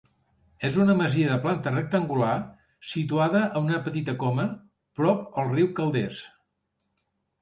És una masia de planta rectangular, situada en una petita coma, prop el riu Calders.